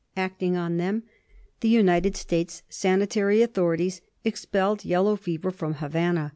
Acting on them the United States sanitary authorities expelled yellow fever from Havana.